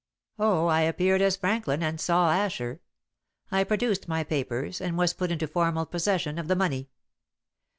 "Oh, I appeared as Franklin, and saw Asher. I produced my papers, and was put into formal possession of the money.